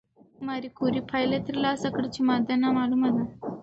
ماري کوري پایله ترلاسه کړه چې ماده نامعلومه ده.